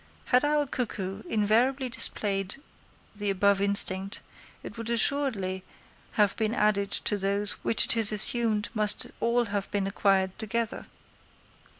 Had our cuckoo invariably displayed the above instinct, it would assuredly have been added to those which it is assumed must all have been acquired together.